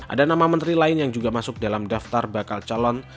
ada nama menteri lain yang juga masuk dalam daftar bakal calon